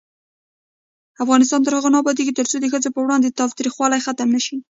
افغانستان تر هغو نه ابادیږي، ترڅو د ښځو پر وړاندې تاوتریخوالی ختم نشي.